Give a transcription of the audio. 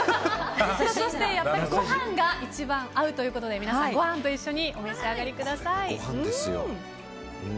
そして、やっぱりご飯が一番合うということで皆さん、ご飯と一緒にお召し上がりください。